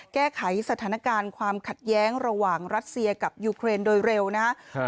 แก้ไขสถานการณ์ความขัดแย้งระหว่างรัสเซียกับยูเครนโดยเร็วนะครับ